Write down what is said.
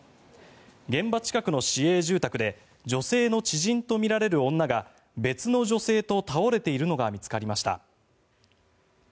現場近くの市営住宅で女性の知人とみられる女が別の女性と倒れているのが見つかりました。